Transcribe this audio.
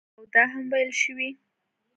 او دا هم ویل شوي